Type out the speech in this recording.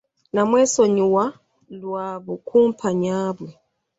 Namwesonyiwa lwa bukumpanya bwe.